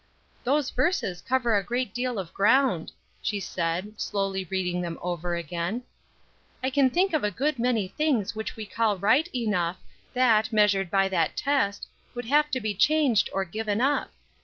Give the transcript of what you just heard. "Those verses cover a great deal of ground," she said, slowly reading them over again. "I can think of a good many things which we call right enough, that, measured by that test, would have to be changed or given up.